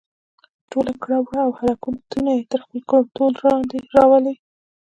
ټول کړه وړه او حرکتونه يې تر خپل کنټرول لاندې راولي.